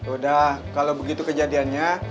udah kalau begitu kejadiannya